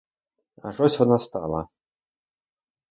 Аж ось вона стала.